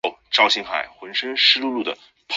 她在后来的访问也常说很感谢森美。